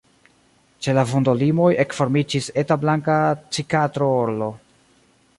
Ĉe la vundolimoj ekformiĝis eta blanka cikatro-orlo.